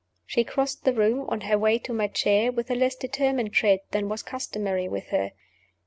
She crossed the room, on her way to my chair, with a less determined tread than was customary with her.